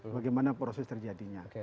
bagaimana proses terjadinya